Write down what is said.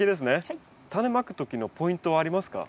タネまく時のポイントはありますか？